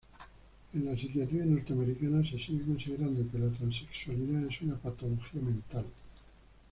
En la psiquiatría norteamericana se sigue considerando que la transexualidad es una patología mental.